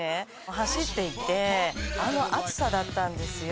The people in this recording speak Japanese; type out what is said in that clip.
走っていてあの暑さだったんですよ